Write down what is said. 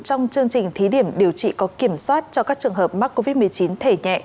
trong chương trình thí điểm điều trị có kiểm soát cho các trường hợp mắc covid một mươi chín thể nhẹ